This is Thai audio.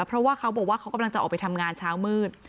เพราะว่าเขาบอกว่าเขากำลังจะออกไปทำงานเช้ามืด